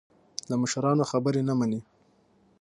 د مشرانو خبرې نه مني.